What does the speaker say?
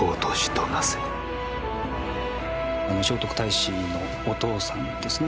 聖徳太子のお父さんですね